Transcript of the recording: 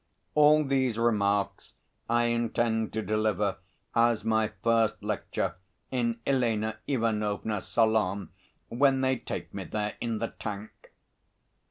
All these remarks I intend to deliver as my first lecture in Elena Ivanovna's salon when they take me there in the tank."